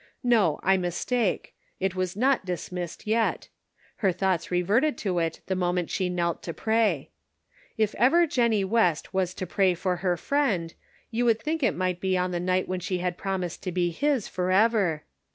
No, I mistake. It was not dismissed yet ; her thoughts reverted to it the moment she knelt to pray. If ever Jennie West was to pray for her friend you would think it might be on the night when she had promised to be his forever.